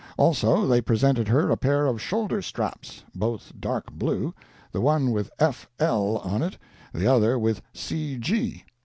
Also, they presented her a pair of shoulder straps—both dark blue, the one with F. L. on it, the other with C. G.